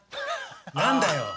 何だよ？